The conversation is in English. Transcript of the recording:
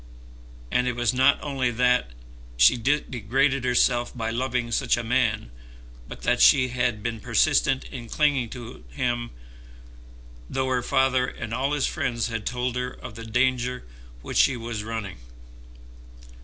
And it was not only that she had degraded herself by loving such a man, but that she had been persistent in clinging to him though her father and all his friends had told her of the danger which she was running.